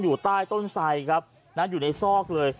อยู่ใต้ต้นไสครับนะอยู่ในซอกเลย